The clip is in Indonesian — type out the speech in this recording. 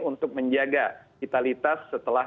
untuk menjaga vitalitas setelah